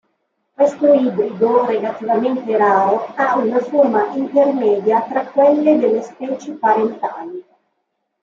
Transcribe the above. Questo ibrido relativamente raro ha una forma intermedia tra quelle delle specie parentali.